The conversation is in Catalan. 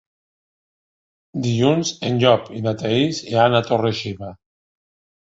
Dilluns en Llop i na Thaís iran a Torre-xiva.